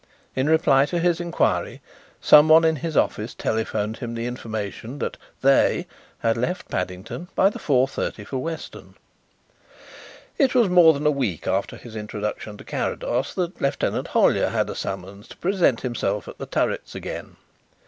In reply to his inquiry someone in his office telephoned him the information that "they" had left Paddington by the four thirty for Weston. It was more than a week after his introduction to Carrados that Lieutenant Hollyer had a summons to present himself at The Turrets again.